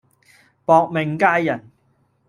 薄命佳人